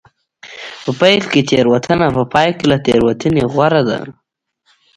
په پیل کې تېروتنه په پای کې له تېروتنې غوره ده.